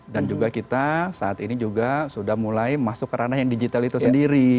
dan juga kita saat ini juga sudah mulai masuk ke ranah yang digital itu sendiri